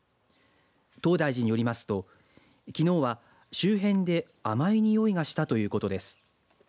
東大寺によりますときのうは周辺で甘い臭いがしたということです。